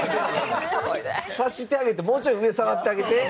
察してあげてもうちょい上、触ってあげて。